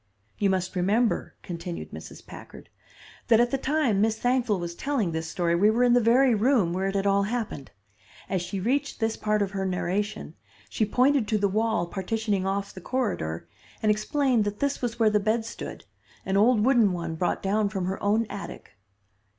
"You must remember," continued Mrs. Packard, "that at the time Miss Thankful was telling this story we were in the very room where it had all happened. As she reached this part of her narration, she pointed to the wall partitioning off the corridor, and explained that this was where the bed stood, an old wooden one brought down from her own attic.